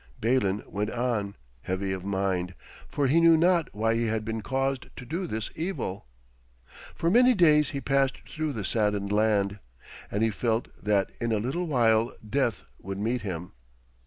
Balin went on, heavy of mind, for he knew not why he had been caused to do this evil. For many days he passed through the saddened land, and he felt that in a little while death would meet him.